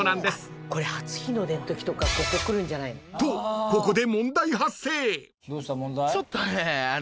［とここで］